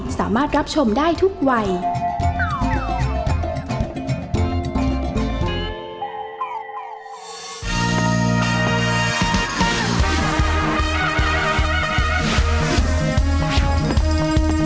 แม่บ้านประจันบรรย์